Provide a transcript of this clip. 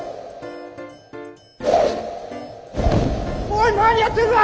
おい何やってんだ！